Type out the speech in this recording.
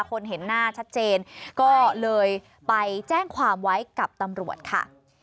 คนเห็นหน้าชัดเจนก็เลยไปแจ้งความไว้กับตำรวจค่ะ